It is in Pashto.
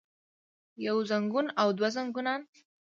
يو زنګون او دوه زنګونان